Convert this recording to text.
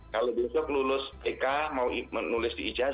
kalau besok lulus ek mau menulis di ijazah